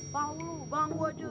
banggu banggu saja